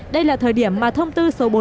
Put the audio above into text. đây là thời điểm mà thông tư số bốn mươi